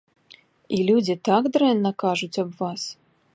І людзі так дрэнна кажуць аб вас.